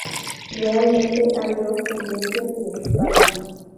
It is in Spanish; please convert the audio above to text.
Realmente, hay dos tendencias principales.